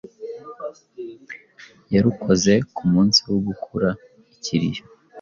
yarukoze ku munsi wo gukura ikiriyo